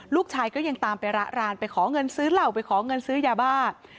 ลูกชายก็ยังตามไประรานไปขอเงินซื้อเหล่าไปขอเงินซื้อยาบ้า